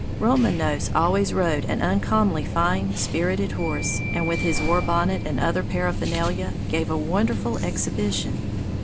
Roman Nose always rode an uncommonly fine, spirited horse, and with his war bonnet and other paraphernalia gave a wonderful exhibition.